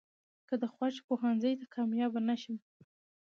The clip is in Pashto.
،که د خوښې پوهنځۍ ته کاميابه نشم.